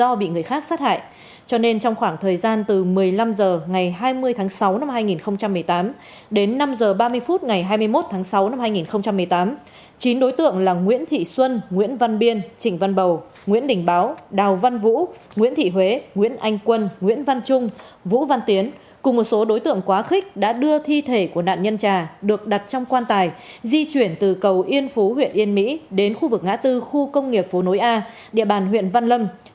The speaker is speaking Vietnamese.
do bị người khác sát hại cho nên trong khoảng thời gian từ một mươi năm h ngày hai mươi tháng sáu năm hai nghìn một mươi tám đến năm h ba mươi phút ngày hai mươi một tháng sáu năm hai nghìn một mươi tám chín đối tượng là nguyễn thị xuân nguyễn văn biên trịnh văn bầu nguyễn đình báo đào văn vũ nguyễn thị huế nguyễn anh quân nguyễn văn trung vũ văn tiến cùng một số đối tượng quá khích đã đưa thi thể của nạn nhân trà được đặt trong quan tài di chuyển từ cầu yên phú huyện yên mỹ đến khu vực ngã tư khu công nghiệp phố nối a địa bàn huyện văn lâm